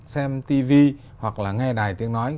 xem tv hoặc là nghe đài tiếng nói